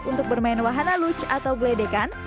untuk bermain wahana lucch atau gledekan